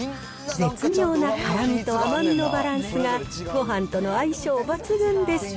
絶妙な辛みと甘みのバランスが、ごはんとの相性抜群です。